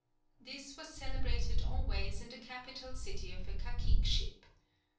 This was celebrated always in the capital city of a caciqueship.